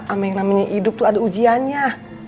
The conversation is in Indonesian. amin namanya hidup tuh ada ujiannya